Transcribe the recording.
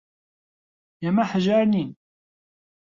ئێمە هەژار نین.